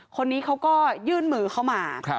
คนนี้เขาก็ยื่นมือเข้ามา